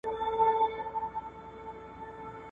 پوهېدل د ټولنیز مسئولیت اخیستلو ته وده ورکوي.